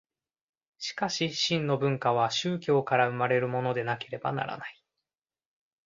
しかし真の文化は宗教から生まれるものでなければならない。